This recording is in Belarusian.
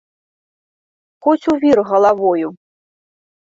Хоць у вір галавою!